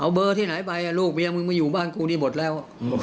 เอาเบอร์ที่ไหนไปลูกเมียมึงมาอยู่บ้านกูนี่หมดแล้ว